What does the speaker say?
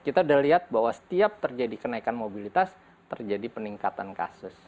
kita sudah lihat bahwa setiap terjadi kenaikan mobilitas terjadi peningkatan kasus